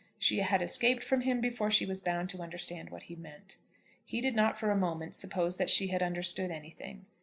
She had escaped from him before she was bound to understand what he meant. He did not for a moment suppose that she had understood anything.